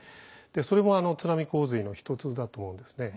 それも津波洪水の一つだと思うんですね。